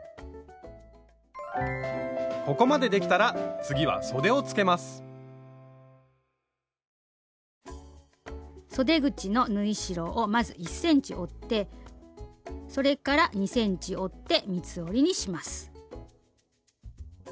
ここまでできたら次はそで口の縫い代をまず１ｃｍ折ってそれから２ｃｍ折って三つ折りにします。